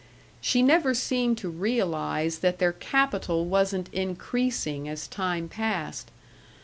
She never seemed to realize that their capital wasn't increasing as time passed.